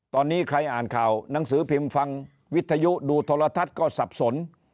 ตอนนี้ใครอ่านข่าวหนังสือพิมพ์ฟังวิทยุดูโทรทัศน์ก็สับสน